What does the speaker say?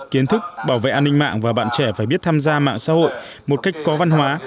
kiến thức bảo vệ an ninh mạng và bạn trẻ phải biết tham gia mạng xã hội một cách có văn hóa